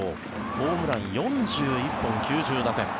ホームラン４１本９０打点。